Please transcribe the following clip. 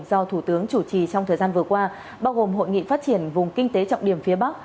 do thủ tướng chủ trì trong thời gian vừa qua bao gồm hội nghị phát triển vùng kinh tế trọng điểm phía bắc